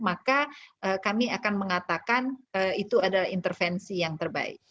maka kami akan mengatakan itu adalah intervensi yang terbaik